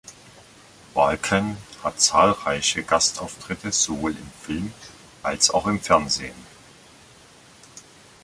Walken hat zahlreiche Gastauftritte sowohl im Film als auch im Fernsehen.